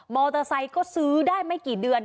อเตอร์ไซค์ก็ซื้อได้ไม่กี่เดือน